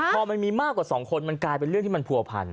พอมันมีมากกว่า๒คนมันกลายเป็นเรื่องที่มันผัวพัน